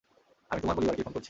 আমি তোমার পরিবারকে ফোন করছি।